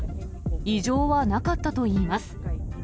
異常はなかったといいます。